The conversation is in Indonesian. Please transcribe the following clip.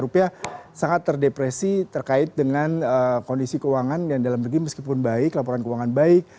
rupiah sangat terdepresi terkait dengan kondisi keuangan dan dalam negeri meskipun baik laporan keuangan baik